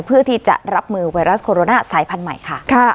เพื่อที่จะรับมือไวรัสโคโรนาสายพันธุ์ใหม่ค่ะ